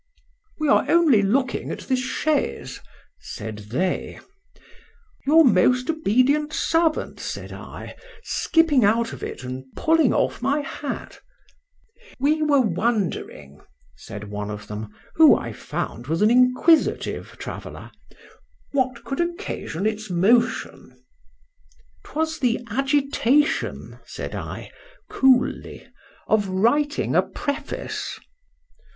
— We are only looking at this chaise, said they.—Your most obedient servant, said I, skipping out of it, and pulling off my hat.—We were wondering, said one of them, who, I found was an Inquisitive Traveller,—what could occasion its motion.—'Twas the agitation, said I, coolly, of writing a preface.